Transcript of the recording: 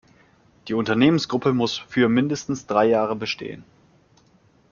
Die Unternehmensgruppe muss für mindestens drei Jahre bestehen.